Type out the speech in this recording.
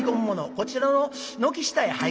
こちらの軒下へ入る者。